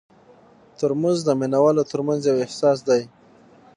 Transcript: ترموز د مینه والو ترمنځ یو احساس دی.